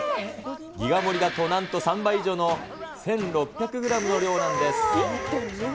ギガ盛りだとなんと３倍以上の１６００グラムの量なんです。